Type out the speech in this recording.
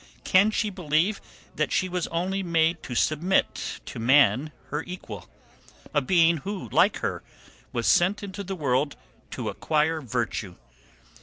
Can she believe that she was only made to submit to man her equal; a being, who, like her, was sent into the world to acquire virtue?